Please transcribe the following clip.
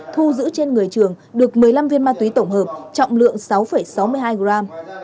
thu giữ trên người trường được một mươi năm viên ma túy tổng hợp trọng lượng sáu sáu mươi hai gram